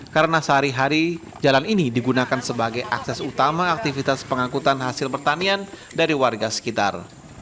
karena sehari hari jalan ini digunakan sebagai akses utama aktivitas pengangkutan hasil pertanian dari warga sekitar